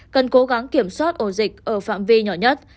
cần cố gắng kiểm soát ổ dịch ở phạm vi nhỏ nhất